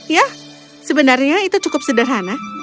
ya sebenarnya itu cukup sederhana